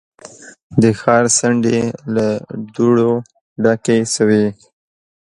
د ښار څنډې له دوړو ډکې شوې.